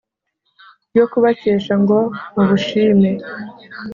yo kubakesha ngo mubushime